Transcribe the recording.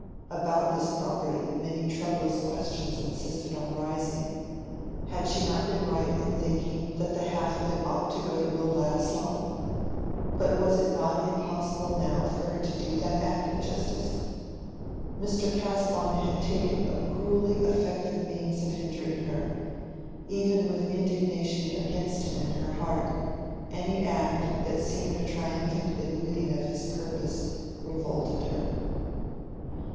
About this property many troublous questions insisted on rising: had she not been right in thinking that the half of it ought to go to Will Ladislaw?—but was it not impossible now for her to do that act of justice? Mr. Casaubon had taken a cruelly effective means of hindering her: even with indignation against him in her heart, any act that seemed a triumphant eluding of his purpose revolted her.